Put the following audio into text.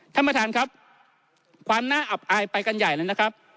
ท่านประธานครับความน่าอับอายไปกันใหญ่เลยนะครับ